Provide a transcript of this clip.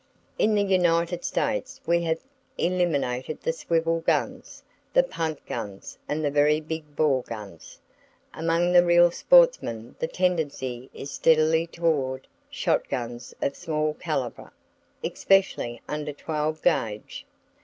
In the United States we have eliminated the swivel guns, the punt guns and the very big bore guns. Among the real sportsmen the tendency is steadily toward shot guns of small calibre, especially under 12 gauge.